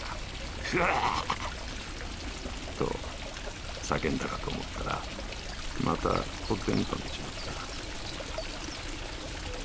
ふわぁーはっはっは！』と叫んだかと思ったらまたこてんと寝ちまった」。